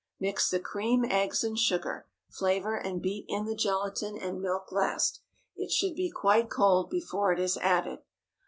Mix the cream, eggs, and sugar; flavor, and beat in the gelatine and milk last. It should be quite cold before it is added.